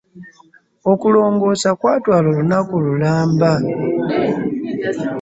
Okulongosa kwatwala olunaku lulamba.